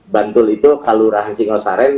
bantul itu kelurahan singosaren